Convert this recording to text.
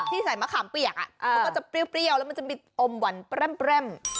ใส่มะขามเปียกมันก็จะเปรี้ยวแล้วมันจะมีอมหวานแปร้ม